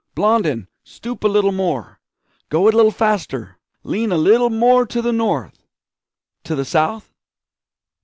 Blondin, stoop a little more! go a little faster! lean a little more to the North! to the South?'